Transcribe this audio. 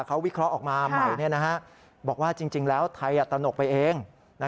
เขาวิเคราะห์ออกมาใหม่บอกว่าจริงแล้วไทยตนกไปเอง